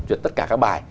duyệt tất cả các bài